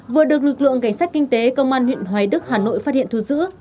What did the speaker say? vừa được lực lượng cảnh sát kinh tế công an huyện hoài đức hà nội phát hiện thu giữ